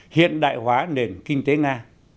hiện đại hóa nền kinh tế nga